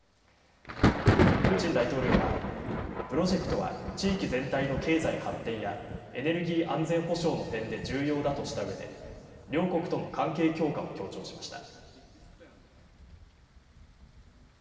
プーチン大統領はプロジェクトは地域全体の経済発展や、エネルギー安全保障の点で重要だとしたうえで、両国との関係強化を強調しました。